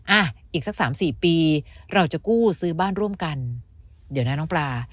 อ่ะอีกสักสามสี่ปีเราจะกู้ซื้อบ้านร่วมกันเดี๋ยวนะน้องปลา